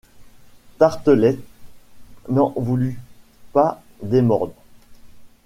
Tartelett n’en voulut pas démordre.